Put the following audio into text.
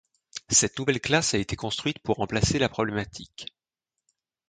Cette nouvelle classe a été construite pour remplacer la problématique.